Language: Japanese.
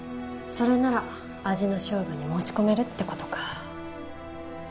それなら味の勝負に持ち込めるって事か。